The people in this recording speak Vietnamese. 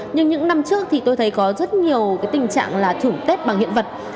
nhưng những năm trước thì tôi thấy có rất nhiều tình trạng là thưởng tết bằng hiện vật